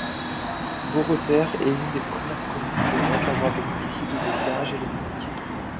Beaurepaire est une des premières communes d'Europe à avoir bénéficié de l'éclairage électrique.